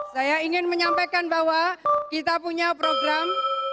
saya ingin menyampaikan bahwa kita punya program